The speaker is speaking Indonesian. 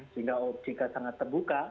sehingga ojk sangat terbuka